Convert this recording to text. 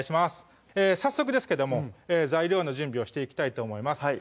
早速ですけども材料の準備をしていきたいと思います